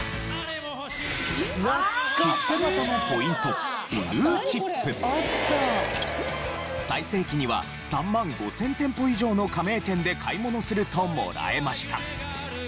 切手形のポイント最盛期には３万５０００店舗以上の加盟店で買い物するともらえました。